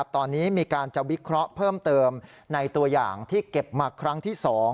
ตอนนี้มีการจะวิเคราะห์เพิ่มเติมในตัวอย่างที่เก็บมาครั้งที่๒